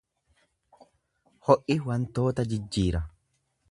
Ho’i wantoota jijjiira.